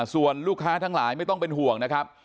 ส่วนลูกค้าทั้งหลายไม่ต้องเป็นห่วงนะครับ